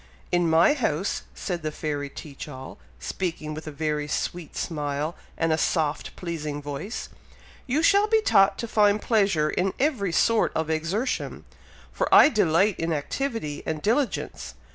"In my house," said the fairy Teach all, speaking with a very sweet smile, and a soft, pleasing voice, "you shall be taught to find pleasure in every sort of exertion, for I delight in activity and diligence.